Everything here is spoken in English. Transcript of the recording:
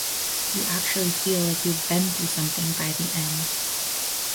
You actually feel like you have been through something by the end.